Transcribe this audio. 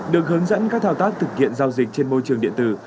được hướng dẫn các thao tác thực hiện giao dịch trên môi trường điện tử